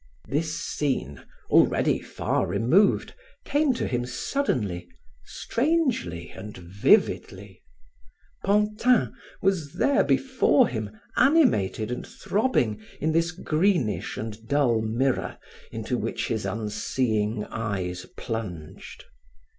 This scene, already far removed, came to him suddenly, strangely and vividly. Pantin was there before him, animated and throbbing in this greenish and dull mirror into which his unseeing eyes plunged.